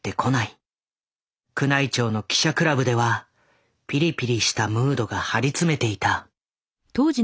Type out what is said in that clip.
宮内庁の記者クラブではピリピリしたムードが張り詰めていた。